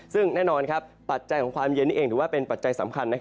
ซึ่งแน่นอนปัจจัยของความเย็นนี้เองถือว่าเป็นปัจจัยสำคัญ